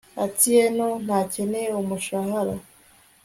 atieno ntakeneye umushahara